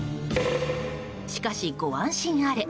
しかし、ご安心あれ。